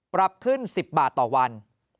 ปรับขึ้น๑๐บาทต่อวัน